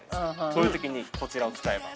そういうときに、こちらを使えば。